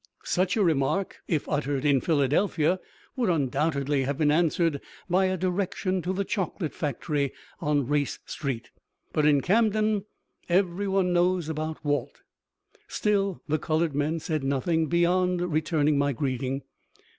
Such a remark, if uttered in Philadelphia, would undoubtedly have been answered by a direction to the chocolate factory on Race Street. But in Camden every one knows about Walt. Still, the colored men said nothing beyond returning my greeting.